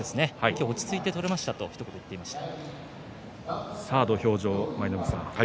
今日も落ち着いて取れましたとひと言、言っていました。